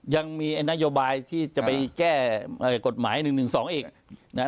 ยังมีไอ้นโยบายที่จะไปแก้เอ่อกฎหมายหนึ่งหนึ่งสองอีกอ่า